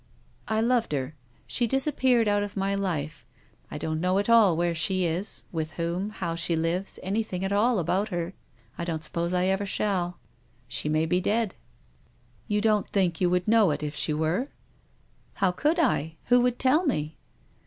" I loved her. She disappeared out of my life. I don't know at all where she is, with whom, how THE RAINBOW. 13 she lives, anything at all about her. I don't sup pose I ever shall. She may be dead." "You don't think you would know it if she were r " How could I ? Who would tell me?